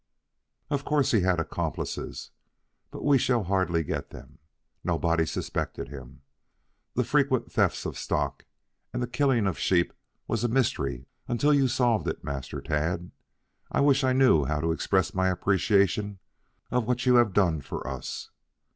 Of course he had accomplices, but we shall hardly get them. Nobody suspected him. The frequent thefts of stock and the killing of sheep was a mystery until you solved it, Master Tad. I wish I knew how to express my appreciation of what you have done for us."